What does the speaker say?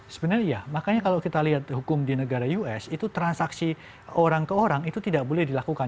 sebenarnya ya makanya kalau kita lihat hukum di negara us itu transaksi orang ke orang itu tidak boleh dilakukan